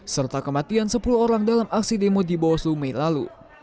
serta kematian sepuluh orang dalam aksi demo di bawaslu mei lalu